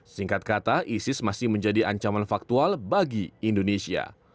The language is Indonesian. singkat kata isis masih menjadi ancaman faktual bagi indonesia